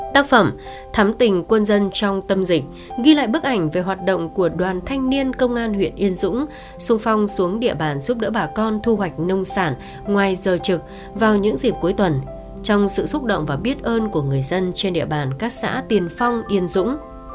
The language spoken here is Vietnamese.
tác phẩm thắm tình quân dân trong tâm dịch ghi lại bức ảnh về hoạt động của đoàn thanh niên công an huyện yên dũng sung phong xuống địa bàn giúp đỡ bà con thu hoạch nông sản ngoài giờ trực vào những dịp cuối tuần trong sự xúc động và biết ơn của người dân trên địa bàn các xã tiền phong yên dũng